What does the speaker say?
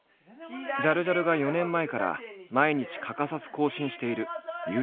ジャルジャルが４年前から毎日欠かさず更新しているＹｏｕＴｕｂｅ。